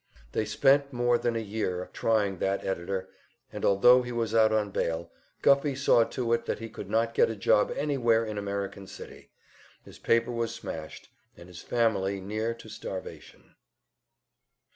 They spent more than a year trying that editor, and although he was out on bail, Guffey saw to it that he could not get a job anywhere in American City; his paper was smashed and his family near to starvation.